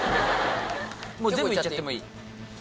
全部いっちゃってもいい。